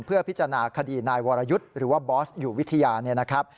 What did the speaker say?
เพื่อพิจารณาคดีนายวรยุทธ์หรือว่าบอสอยู่วิทยาเนี่ยนะครับ